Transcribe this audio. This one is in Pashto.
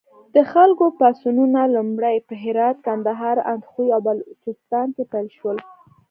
د خلکو پاڅونونه لومړی په هرات، کندهار، اندخوی او بلوچستان کې پیل شول.